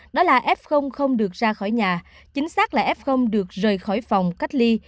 đó là f không được ra khỏi nhà chính xác là f được rời khỏi phòng cách ly